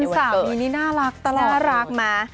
คุณสาวนี้นี่น่ารักตลาดมา